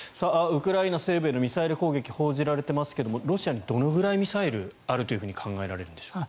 ウクライナ西部へのミサイル攻撃が報じられていますがロシアにどのくらいミサイルがあると考えられるんでしょうか？